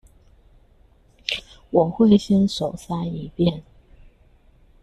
我會先手篩一遍